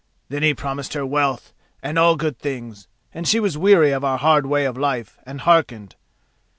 Then he promised her wealth and all good things, and she was weary of our hard way of life and hearkened.